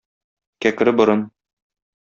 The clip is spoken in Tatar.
Кәкре борын.